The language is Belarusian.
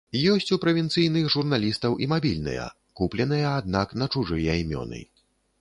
Ёсць у правінцыйных журналістаў і мабільныя, купленыя аднак на чужыя імёны.